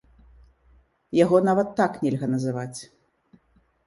Яго нават так нельга называць.